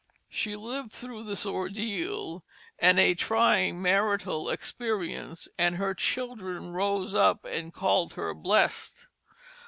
She lived through this ordeal and a trying marital experience, and her children rose up and called her blessed.